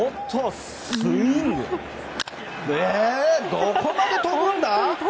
どこまで飛ぶんだ。